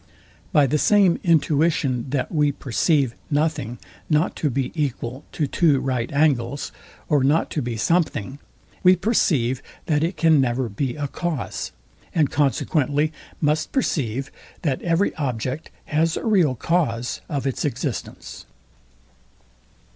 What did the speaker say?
By the same intuition, that we perceive nothing not to be equal to two right angles, or not to be something, we perceive, that it can never be a cause; and consequently must perceive, that every object has a real cause of its existence. Mr. Locke.